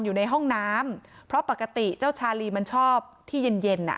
อยู่ในห้องน้ำเพราะปกติเจ้าชาลีมันชอบที่เย็นเย็นอ่ะ